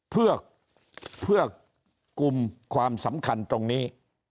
เพื่อกลุ่มความสำคัญตรงนี้